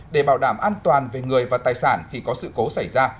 để bảo đảm an toàn về người và tài sản khi có sự cố xảy ra